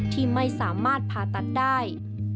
ที่ไม่สามารถผ่าตัดได้